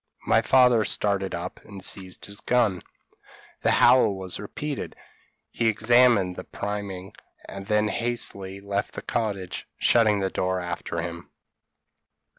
My father started up, and seized his gun: the howl was repeated, he examined the priming, and then hastily left the cottage, shutting the door after him.